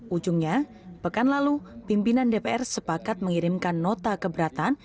ujungnya pekan lalu pimpinan dpr sepakat mengirimkan nota keberatan